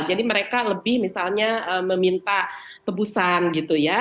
jadi mereka lebih misalnya meminta tebusan gitu ya